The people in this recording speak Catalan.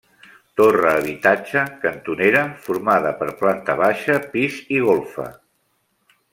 Torre habitatge, cantonera, formada per planta baixa, pis i golfa.